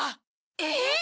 えっ？